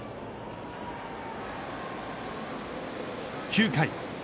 ９回。